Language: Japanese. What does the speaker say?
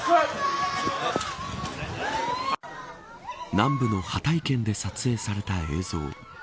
南部のハタイ県で撮影された映像。